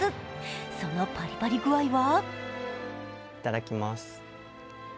そのパリパリ具合は？